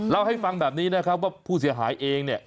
เล่าให้ฟังแบบนี้นะครับว่าผู้เสียหายเองเนี่ย